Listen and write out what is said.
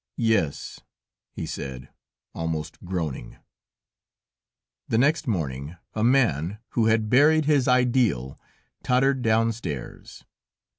"Yes," he said, almost groaning. The next morning a man, who had buried his Ideal, tottered downstairs.